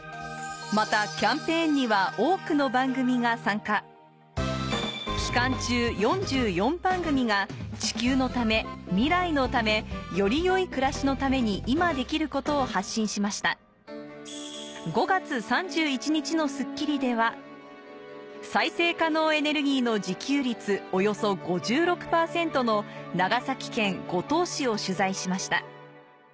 またキャンペーンには多くの番組が参加期間中４４番組が地球のため未来のためより良い暮らしのために今できることを発信しました５月３１日の『スッキリ』では再生可能エネルギーの自給率およそ５６％の長崎県五島市を取材しました